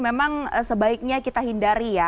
memang sebaiknya kita hindari ya